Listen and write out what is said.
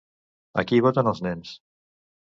Aquí voten els nens.